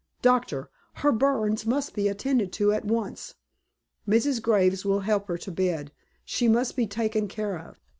Doctor, her burns must be attended to at once. Mrs. Graves will help her to bed; she must be taken care of."